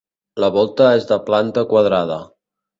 La volta és de planta quadrada.